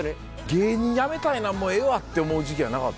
芸人辞めたいなもうええわって思う時期はなかった？